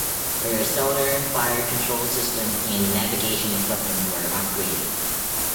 Her sonar, fire-control system, and navigation equipment were upgraded.